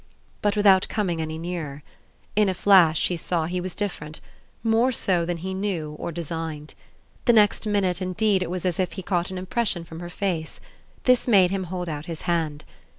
but without coming any nearer. In a flash she saw he was different more so than he knew or designed. The next minute indeed it was as if he caught an impression from her face: this made him hold out his hand.